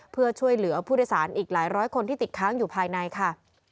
เพื่อช่วยเหลือผู้โดยสารอีกหลายร้อยคนที่ติดค้างอยู่ภายในค่ะ